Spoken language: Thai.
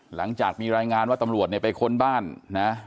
หลังจากมีรายงานว่าตำรวจเนี่ยไปค้นบ้านนะ